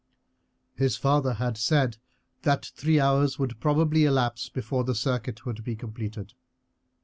His father had said that three hours would probably elapse before the circuit would be completed.